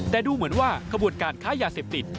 แต่ดูเหมือนว่าขบวนการค้ายาเสพติด